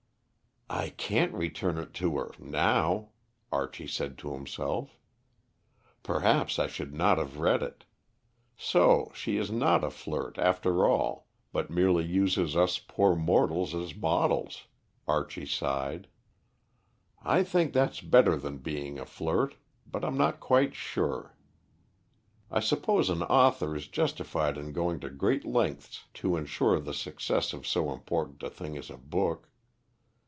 "I can't return it to her now," Archie said to himself. "Perhaps I should not have read it. So she is not a flirt, after all, but merely uses us poor mortals as models." Archie sighed. "I think that's better than being a flirt but I'm not quite sure. I suppose an author is justified in going to great lengths to ensure the success of so important a thing as a book.